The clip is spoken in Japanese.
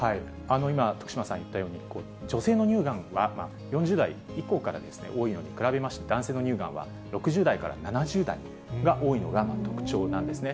今、徳島さん言ったように、女性の乳がんは４０代以降から多いのに比べまして、男性の乳がんは６０代から７０代が多いのが特徴なんですね。